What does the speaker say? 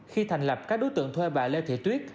khi thành lập các đối tượng thuê bà lê thị tuyết